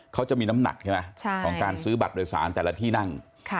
เขาจะมีน้ำหนักใช่ไหมของการซื้อบัตรโดยสารแต่ละที่นั่ง